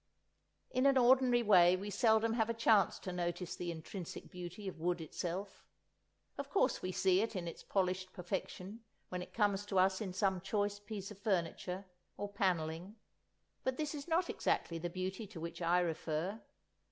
In an ordinary way we seldom have a chance to notice the intrinsic beauty of wood itself. Of course we see it in its polished perfection when it comes to us in some choice piece of furniture, or panelling; but this is not exactly the beauty to which I refer.